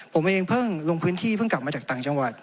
ผมเองเพิ่งลงพื้นที่เพิ่งกลับมาจากต่างจังหวัด